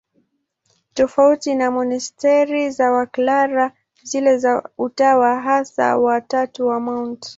Tofauti na monasteri za Waklara, zile za Utawa Hasa wa Tatu wa Mt.